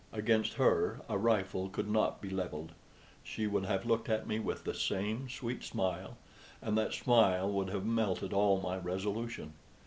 Against her a rifle could not be levelled; she would have looked at me with the same sweet smile, and that smile would have melted all my resolution.